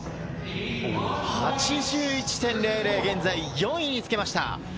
８１．００、現在４位につけました。